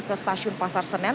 ke stasiun pasar senen